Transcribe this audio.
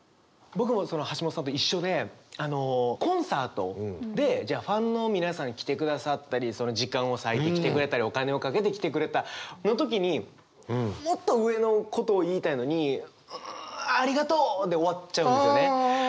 僕も橋本さんと一緒でコンサートでじゃあファンの皆さんが来てくださったり時間を割いて来てくれたりお金をかけて来てくれたの時にもっと上のことを言いたいのに「ありがとう」で終わっちゃうんですよね。